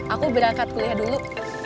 aku berangkat kuliah dulu